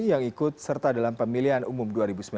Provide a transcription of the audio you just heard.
yang ikut serta dalam pemilihan umum dua ribu sembilan belas